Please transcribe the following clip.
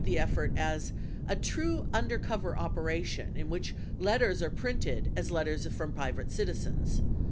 152 the effort as "a true undercover operation in which letters are printed as letters from private citizens.